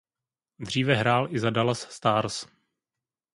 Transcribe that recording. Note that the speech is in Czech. Dříve hrál i za Dallas Stars.